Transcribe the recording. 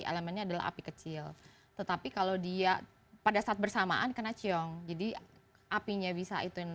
elemennya adalah api kecil tetapi kalau dia pada saat bersamaan kena ciong jadi apinya bisa ituin